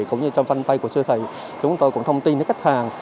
cũng như trong fanpag của siêu thị chúng tôi cũng thông tin đến khách hàng